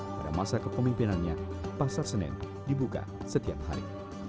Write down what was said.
pada masa kepemimpinannya pasar senen dibuka setiap hari